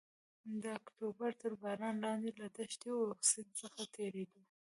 د اکتوبر تر باران لاندې له دښتې او سیند څخه تېرېدو.